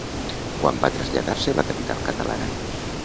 Quan va traslladar-se a la capital catalana?